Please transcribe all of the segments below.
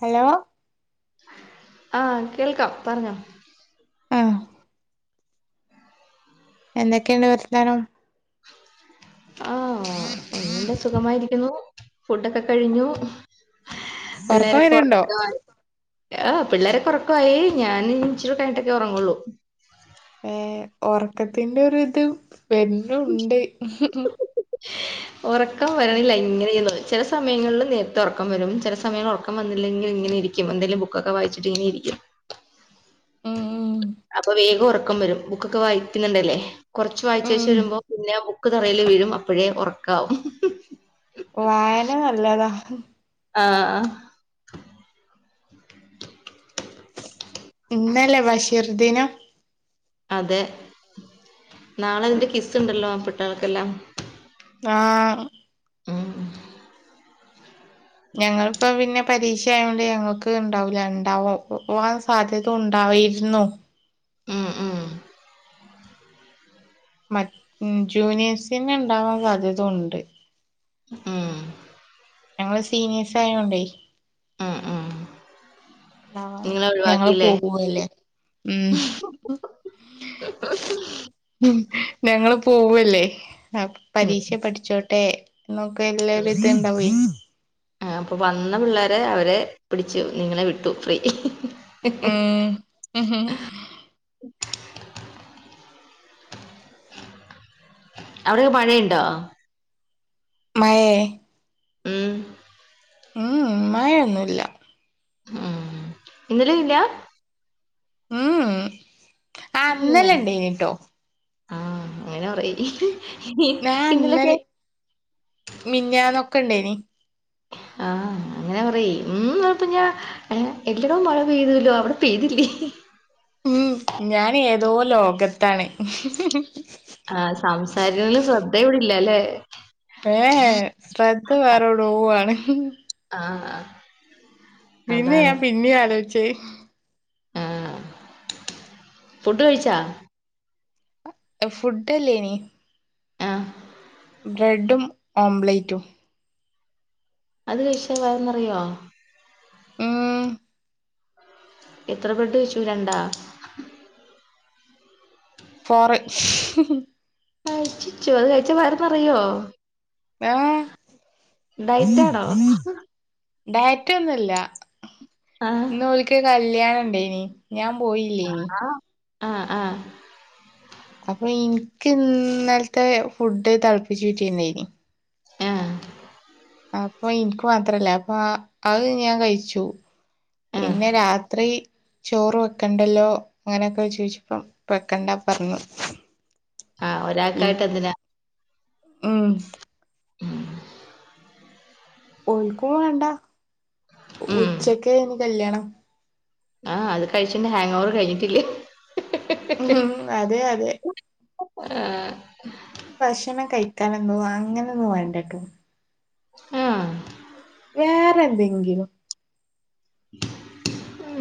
Hello..? ആഹ്, കേൾക്കാം പറഞ്ഞോ!. ആഹ് എന്തെക്കെണ്ട് വർത്തമാനം? ആഹ് നല്ല സുഖമായിരിക്കുന്നു. ഫുഡക്കെ കഴിഞ്ഞു. ഉറക്കം പിള്ളേരെക്കെ വരുണ്ടോ ഒർക്കാ ആഹ് പിള്ളേരൊക്കൊർക്കവായി ഞാന് ഇനിച്ചിരൂടകയ്ഞ്ട്ടെക്കെ ഒർങ്ങൊള്ളൂ. ഏ ഒർക്കത്തിന്റെ ഒര് ത് വെര്ണു ണ്ട് ഹ്ഹ്ഹ് ഒർക്കം വരണില്ലെങ്ങനെന്ന് ചെല സമയങ്ങളില് നേരത്തെ ഒറക്കം വെരും ചെല സമയങ്ങള്ലൊർക്കം വന്നില്ലെങ്കിങ്ങനെ ഇരിക്കും ക്കും എന്തേലും ബുക്കൊക്കെ വായിച്ചിട്ടിങ്ങനെ ഇരി ഉം ഉം അപ്പൊ വേഗം ഒർക്കം വെരും. ബുക്കൊക്കെ വായിക്ക്ന്ന്ണ്ടേലെ കൊർച്ച് ഉം വായിച്ചേച്ച് രുമ്പൊ പിന്നെ ബുക്ക് തറേല് വീഴും അപ്പഴേ ഒർക്കാവും വായന നല്ലതാ ആഹ് അഹ് ഇന്നല്ലേ ബഷീർ ദിനം അതെ നാളെ ഐന്റെ കിസ്സ്ണ്ടല്ലോ പിട്ടാളക്കെല്ലാം ആഹ് ഉം ഞങ്ങൾപ്പോ പിന്നെ പരീക്ഷ ആയോണ്ട് ഞങ്ങൾക്ക് ണ്ടാവൂല ണ്ടാവും [unintelligible] സാധ്യത ഉണ്ടായിര്ന്നു ഉം ഉം മറ്റ് മ് ജൂനിയേഴ്സിന് ണ്ടാവാൻ സാധ്യതുണ്ട് ഉം ഞങ്ങള് സീനിയേഴ്സ് ആയോണ്ടേ. ഉം ഉം നിങ്ങളെ ഞങ്ങള് ഒഴിവാക്കില്ലേ പോവല്ലേ മ് മ് ഞങ്ങള് പോവല്ലേ അപ് ഉം പരീക്ഷ പഠിച്ചോട്ടെ ന്നൊക്കെ എല്ലാര് ത്ണ്ടാവെ ആഹ് അപ്പ വന്ന പുള്ളേരെ അവരെ പിടിച്ച് ഇങ്ങനെ വിട്ടു ഫ്രീ ഉം ഉഹു അവിടെക്കെ മഴയിണ്ടോ? മയേ? ഉം ഉം മഴൊന്നുല്ല ഉം ഇന്നലീംല്ല ഉം ആഹ് ഇന്നലെണ്ടയ്നീ ട്ടോ ആഹ് അങ്ങനെ പറീ ആ ഇന്നലെക്കെ ഇന്നലെ മിഞ്ഞാന്നൊക്കെ ഇണ്ടേനി ആഹ് അങ്ങനെ പറീ ഇന്ന് ന്നട്ട് ഞ്ഞാ എഹ് എല്ലടോം മഴ പെയ്തൂല്ലോ അവടെ പെയ്തില്ലേ? ഉം ഞാനേതോ ലോകത്താണ് [unintelligible] ആഹ് സംസാരിക്ക്ന്നതില് ശ്രദ്ധ ഇവിടേല്ലല്ലേ ഏഹ് ഏഹ് ശ്രദ്ധ വേറെവെടോ ആണ്. ആഹ് പിന്നെഞാൻ പിന്നെ ആലോയ്ച്ചേ ഫുഡ്ഡ് കഴിച്ചാ? ഫുഡ്ഡല്ലേയ്നീ ആഹ് ബ്രെഡും ഓംലെറ്റും അത് കഴിച്ചാ വയറ് നെറയോ? ഉം എത്ര ബ്രഡ്ഡ് കൈച്ചു? രണ്ടാ ഫോറ് [unintelligible] ചോറ് കഴിച്ചാ വയറു നറയോ ഏ ഡയറ്റാണോ ഡയറ്റ ഒന്നുഇല്ല ആ ഇന്ന് ഓൾക്ക് കല്യാണഉണ്ടായിന് ഞാൻ പോയി ആഹ ആ ആ അപ്പോ എനിക്ക് ഇന്നലത്തെ ഫുഡ് തിളപ്പിച്ചൂറ്റിണ്ടായിന്ന് ആ അപ്പോ എനിക്ക് മാത്രല്ലേ അപ്പോ അത് ഞാൻ കഴിച്ചു ആ പിന്നെ രാത്രി ചോറ് വെക്കണ്ടല്ലോ അങ്ങനെയെ ക്കെ ചോദിച്ചപ്പം വെക്കണ്ട പറഞ്ഞു ആ ഒരാൾക്കായിട്ട് എന്തിനാ മം ഓൾക്കും വേണ്ട ഉം ഉച്ചക്കായിന്ന് കല്യാണം ആ അത് കഴിച്ചെന്റെ ഹാങ് ഓവർ കഴിഞ്ഞിട്ടില്ല ഹും അതെ അതെ ആ ഭക്ഷണം കഴിക്കാനൊന്നും അങ്ങനൊന്നും വേണ്ടട്ടോ ആ വേറെ എന്തെങ്കിലും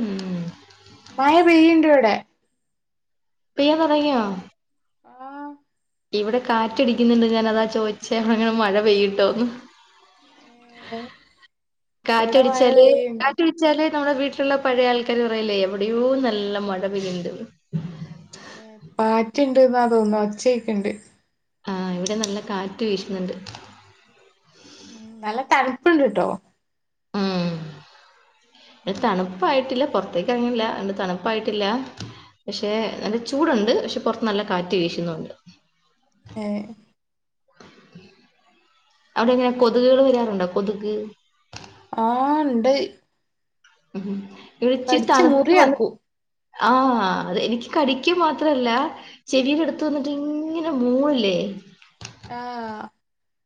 ഉം മഴ പെയ്യുണ്ട് ഇവിടെ പെയ്യാൻ തുടങ്ങിയോ ആ ഇവിടെ കാറ്റടിക്കുന്നുണ്ട് ഞാന് അതാ ചോയിച്ചെ അവിടെങ്ങാനും മഴ പെയ്യണുണ്ടോന്ന് ഏ കാറ്റടിച്ചാല് കാറ്റ് ചില നമ്മുടെ വീട്ടിലുള്ള പഴയ ആൾക്കാര് പറയില്ലേ എവിടെയോ നല്ല മഴ പെയ്യന്നുണ്ടന്നു കാറ്റുണ്ടെന്ന് തോന്നുന്നെ ഒച്ചയെക്കെയുണ്ട് ആ ഇവിടെ നല്ല കാറ്റ് വീശുന്നുണ്ട് നല്ല തണുപ്പുണ്ട് ട്ടോ ഇവിടെതണുപ്പായിട്ടില്ല പുറത്തേക്ക് എറങ്ങണില്ല അതുകൊണ്ട് തണുപ്പായിട്ടില്ല പക്ഷേ നല്ല ചൂടുണ്ട് പക്ഷെ പുറത്ത് നല്ല കാറ്റ് വീശുന്നുണ്ട് എ അവിടെ എങ്ങനെ കൊതുകൾ വരാറുണ്ടോ കൊതുക് ആ ഇണ്ട് ഉം ഇവിടെ ഇച്ചിരി കടിച്ച് തണുത്ത് വന്നി മുറിയാക്കും ആ അത് എനിക്ക് കടിയ്ക്ക മാത്രല്ല ചെവിയിടെ അടുത്തു വന്നിട്ട് ഇങ്ങനെ മൂളില്ലേ ആ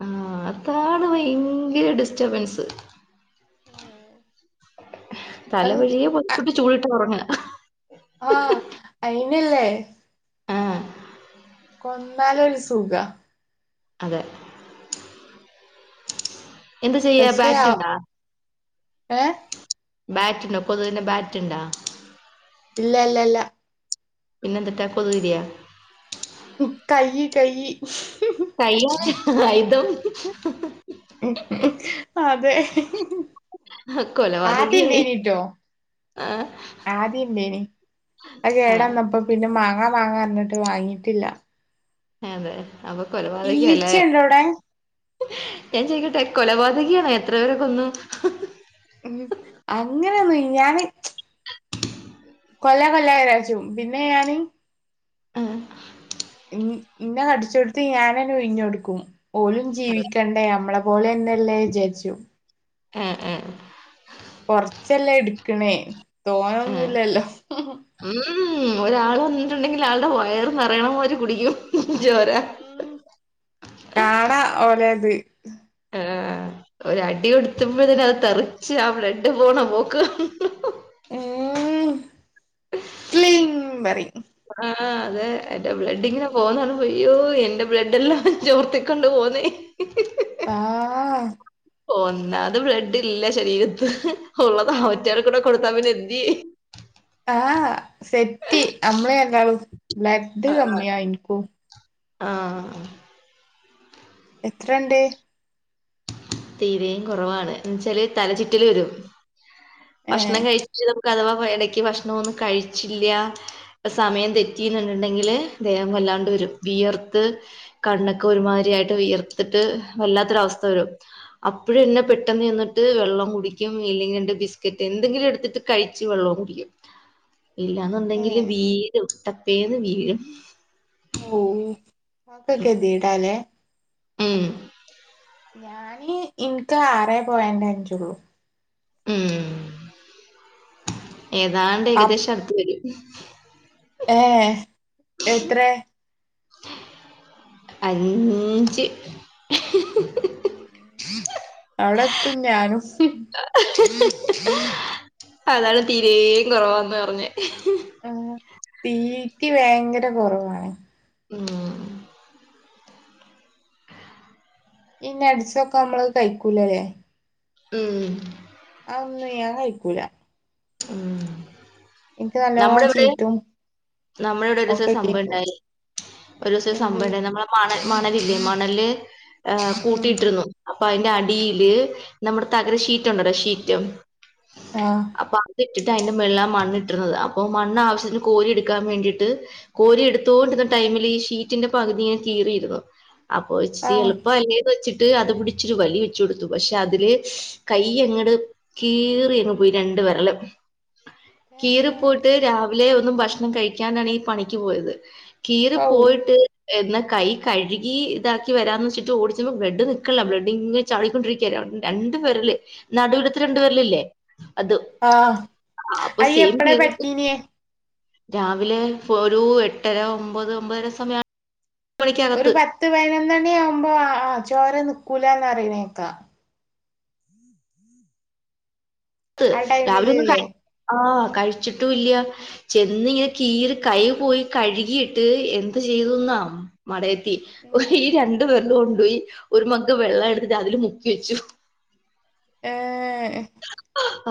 ആ അതാണ് ഭയങ്കര ഡിസ്റ്റർബൻസ് ഏഹ് അത് തലവഴിയെ പുതപ്പിട്ടു ചൂടിട്ട് ഉറങ്ങുക ആ അയിനില്ലേ ആ കൊന്നാല് ഒരു സുഖമാ അതെ എന്ത് ചെയ്യാ പക്ഷെ ആഹ് ബാറ്റുണ്ടാ ഏഹ് ബാറ്റ് ഉണ്ടോ കൊതുകിന്റെ ബാറ്റ് ഉണ്ടോ ഇല്ല ഇല്ല ഇല്ല പിന്നെന്തിട്ടാ കൊതുകുതിരിയോ കൈ കൈ കൈയാണ് ആയുധം ഉം ഉം അതെ കൊലപാതകിയായി ആദ്യണ്ടായിന് ട്ടോ ആഹ് ആദ്യണ്ടായിനി അത് ആഹ് കേടന്നപ്പ പിന്നെ മാങ്ങാ മാങ്ങാ ർഞ്ഞിട്ട് വാങ്ങിട്ടില്ല അതെ അപ്പൊ കൊലപാതകിയല്ലേ ഈച്ചണ്ടവിടെ? ഞാൻ ചോയ്ക്കട്ടെ കൊലപാതകി ആണോ എത്ര പേരെ കൊന്നു? ഉം അങ്ങനെന്ന് ഞാന് കൊല്ല കൊല്ല വിചാരിച്ചും പിന്നെ ഞാന് ആഹ് ഇന്ന് ന്നെ അടിച്ചെടുത്ത് ഞാന ഒഴിഞ്ഞൊടുക്കും ഓലും ജീവിക്കണ്ടേ നമ്മളെ പോലെ ല്ലേ വിചാരിച്ചു ഉമ് ഉമ് കൊറച്ചല്ലേ എടുക്കണേ ആഹ് തോനോന്നുല്ലല്ലോ ഉം ഒരാൾ വന്നിട്ടുണ്ടെങ്കിൽ ആളുടെ വയർ നിറയണവരെ കുടിക്കും. ചോര ഉം കാണാ ഓലത് ആഹ് അഹ് ഒരു അടി കൊടുത്തമ്പന് അത് തെറിച്ച് ആ ബ്ലഡ് പോണ പോക്ക് കാ ഉം പ്ലിങ് പറിം. ആഹ് അതെ എന്റെ ബ്ലഡ് ഇങ്ങനെ പോകുന്നത് കാണുമ്പോ അയ്യോ എന്റെ ബ്ലഡല്ലാം ചോർത്തിക്കൊണ്ട് പോന്നേ ആഹ് ഒന്നാത് ബ്ലഡ് ഇല്ല ശരീരത്ത് ഉള്ളത് അവറ്റൾക്ക് കൂടെ കൊടുത്താ പിന്നെ എന്ത്‌യ്യും. ആഹ് സെറ്റി നമ്മളെ രണ്ടാളും ബ്ലഡ് കമ്മിയാ ഇൻക്കും ആഹ് എത്രണ്ട്? തീരേയും കൊറവാണ് ന്താന്ന് ച്ചാല് തല ചിറ്റല് വരും ഏഹ് ഭക്ഷണം കഴിച്ച അഥവാ ഇടക്ക് ഭക്ഷണൊന്നും കഴിച്ചില്ല സമയം തെറ്റിന്ന്ണ്ടെങ്കില് ദേഹം വല്ലാണ്ട് വരും വിയർത്ത് കണ്ണൊക്കെ ഒരുമാതിരിയായിട്ട് വിയർത്തിട്ട് വല്ലാത്തൊരവസ്ഥ വരും. അപ്പഴ് എന്നെ പെട്ടെന്ന് ചെന്നിട്ട് വെള്ളം കുടിക്കും ഇല്ലെങ്കിൽ എന്റെ ബിസ്ക്കറ്റ് എന്തെങ്കിലും എടുത്തിട്ട് കഴിച്ചു വെള്ളം കുടിക്കും ഇല്ലാന്നുണ്ടെങ്കില് ഏഹ് വീഴും ടപ്പേന്ന് വീഴും ഓ ക്കെകെതിടലേ ഉമ് ഞാന് എനിക്ക് ആറേ പോയന്റ് അഞ്ചുള്ളു ഉം ഏതാണ്ട് അപ് ഏകദേശം അടുത്ത് വരും ഏഹ് എത്ര? അഞ്ച് അവിടെ എത്തും ഞാനും. ഹ ഹ ഹ അതാണ് തീരെ കുറവാന്ന് പറഞ്ഞേ ആ തീറ്റി ഭയങ്കര കുറവാണ്. ഉമ് ഈ നട്സ് ഒക്കെ നമ്മള് കഴിക്കൂലല്ലേ ഉമ് അത് ഒന്നും ഞാൻ കഴിക്കൂല ഉമ് എനിക്ക് നമ്മള നല്ലോണം ഇവിടെ ചീറ്റും നമ്മള ഇവിടെ ഒരു ദിവസം ഒക്കെ കേക്കും സംഭവണ്ടായി ഒരു ദിവസം എന്ത് സംഭവമുണ്ടായി നമ്മടെ മണൽ മണലില്ലേ മണല് ഉം കൂട്ടിയിട്ടിരുന്നു അപ്പൊ അതിന്റെ അടിയില് നമ്മുടെ തകര ഷീറ്റ് ഉണ്ടല്ലോ ഷീറ്റ് ആഹ് അപ്പൊ അത് ഇട്ടിട്ട് അതിന്റെ മുകളിൽ മണ്ണിട്ടിരുന്നത് അപ്പൊ മണ്ണു ആവശ്യത്തിന് കോരി എടുക്കാൻ വേണ്ടിയിട്ട് കോരി എടുത്തോണ്ടിരുന്ന ടൈമിൽ ഈ ഷീറ്റിന്റെ പകുതി ഞനെ കീറിയിരുന്ന് അപ്പൊ ഇച്ചിരി ആഹ് എളുപ്പല്ലേ വെച്ചിട്ട് അത് പിടിച്ചൊരു വലി വെച്ഛ് കൊടുത്തു പക്ഷെ അതില് കൈ അങ്ങട് കീറിയങ്ങ് പോയി രണ്ട് വിരലും കീറി തന്നെ പോയിട്ട് രാവിലെ ഒന്നും ഭക്ഷണം കഴിക്കാണ്ടാണ് ഈ പണിക്ക് പോയത് കീറി ഔ പോയിട്ട് എന്നാ കൈ കഴുകി ഇതാക്കി വരാന്ന് വെച്ചിട്ട് ഓടിച്ച ബ്ലഡ് നിക്കണില്ല ബ്ലഡ് ഇങ്ങ ചാടിക്കൊണ്ടിരിക്കുവാ രണ്ടു വെരല് നടുവിലത്തെ രണ്ടുവിരലില്ലേ അത്. ആ അപ്പൊ സെയിം കീറി അയ്എപ്പളാപറ്റീനേ? രാവിലെ ഒരു എട്ടര ഒമ്പത് ഒമ്പതര സമയ ഒരു പത്ത് പതിനൊന്നണി ആകുമ്പോ ആ ആ ചോര നിക്കൂലാന്ന് പറയണ കേക്കാം. ആ രാവിലെ ടൈമിലില്ലേ ഒന്നും ആ കഴിച്ചിട്ടും ഇല്ല ചെന്ന് ഇങ്ങനെ കീറി കൈ പോയി കഴുകിയിട്ട് എന്ത് ചെയ്തുന്നാ മട ഈ രണ്ടു വരല് കൊണ്ടുപോയി ഒരു മഗ്ഗ് വെള്ളം എടുത്തിട്ട് അതിൽ മുക്കി വെച്ചു. ഏ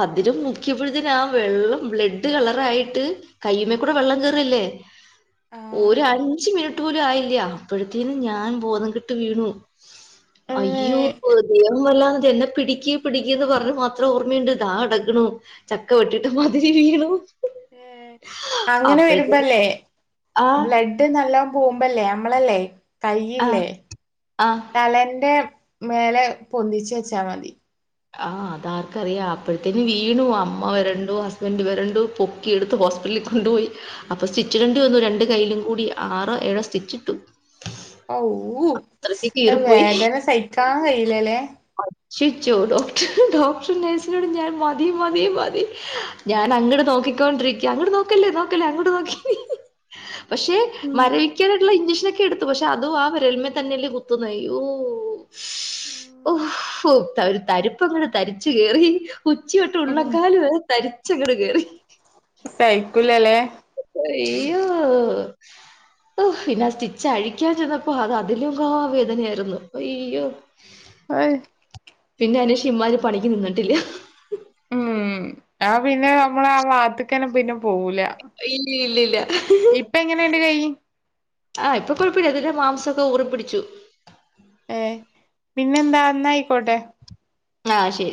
അതില് മുക്കിയപ്പത്തേന് ആ വെള്ളം ബ്ലെഡ് കളറായിട്ട് കയ്യുമേ കൂടെ വെള്ളം കയറില്ലേ. ആഹ് ഒരു അഞ്ച് മിനിറ്റും പോലും ആയില്ല അപ്പോഴത്തേന്ന് ഞാൻ ബോധം കെട്ട് വീണു. അയ്യോ! ഏഹ് ദേഹം വല്ലാന്ന് എന്നെ പിടിക്ക് പിടിക്കുന്ന് പറഞ്ഞ് മാത്ര ത്ര ഓർമ്മയുണ്ട് ദാ കിടക്കണു ചക്കവെട്ടി മതിരി വീണു ഏഹ് അങ്ങനെ അപ്പോഴത്തെ ആ- ഡ് നല്ലോ പോകുമ്പല്ലേ നമ്മളല്ലേ ആ, കൈയില്ലേ ആ, തലന്റെ മേലെ പൊന്തിച്ച് വെച്ചാൽ മതി. ആ അതാർക്കറിയാം അപ്പോഴത്തേന് വീണു അമ്മ വെരണ്ടും ഹസ്ബന്റ് വെരണ്ടുപൊ ക്കിഎടുത്ത് ഹോസ്പിറ്റലിൽ കൊണ്ടുപോയി അപ്പൊ സ്റ്റിച്ചിടേണ്ടി വന്നു രണ്ട്കൈയിലും കൂടി ആറോ ഏഴോ സ്റ്റിച്ച് ഇട്ടു. അവൂ കീറിപ്പോയി. വേദന സഹിക്കാൻ കഴിയില്ലല്ലേ? [unintelligible] ഡോക്ടർ നേഴ്സിനോട് ഞാൻ മതി മതി മതി ഞാൻ അങ്ങട് നോക്കിക്കൊണ്ടിരിക്കുക. അങ്ങട് നോക്കല്ലേ നോക്കല്ലേ അങ്ങോട്ട് നോക്കി പക്ഷെ ഉം മരവി കിക്കാനായിട്ടുള്ള ഇഞ്ചക്ഷനൊക്കെ എടുത്തു പക്ഷെ അതും ആ വിരൽമേ തന്നെയല്ലേ കുത്തുന്നേ. അയ്യോ ഓ ഒരു തരു- പ്പ അങ്ങട് തരിച്ച് കേറി ഉച്ചി തൊട്ട് ഉം ഉള്ളങ്കാല് വരെ തരിച്ചങ്ങട് കേറി. സഹിക്കൂല്ല അല്ലേ? അയ്യോ പിന്നെ സ്റ്റിച്ച് അഴിക്കാൻ ചെന്നപ്പോ അത് അതിലും കാൾ വേദനയായിരുന്നു. അയ്യോ അത് പിന്നെ അതിനു ശേഷം ഇമ്മാതിരി പണിക്ക് നിന്നിട്ടില്ല. ആഹ് പിന്നെ നമ്മള് ആ ഭാഗത്തേക്ക് തന്നെ പിന്നെ പോവൂല. ഇല്ല ഇല്ലില്ല ഇപ്പ എങ്ങനെണ്ട് കൈ ആഹ് ഇപ്പം കുഴപ്പില്ല അതിലെ മാംസം ഒക്കെ ഊറി പിടിച്ചു. ഏഹ് പിന്നെന്താ എന്നായിക്കോട്ടെ. ആഹ് ശരി.